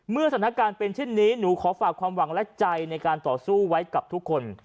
สถานการณ์เป็นเช่นนี้หนูขอฝากความหวังและใจในการต่อสู้ไว้กับทุกคน